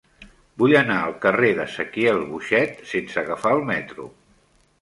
Vull anar al carrer d'Ezequiel Boixet sense agafar el metro.